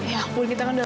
ya ampun kita mesti pergi